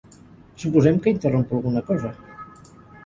Suposem que interrompo alguna cosa.